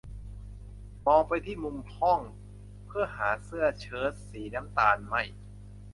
มองไปที่มุมห้อง เพื่อหาเสื้อเชิ๊ตสีน้ำตาลไหม้